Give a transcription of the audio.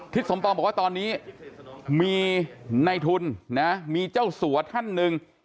สมปองบอกว่าตอนนี้มีในทุนนะมีเจ้าสัวท่านหนึ่ง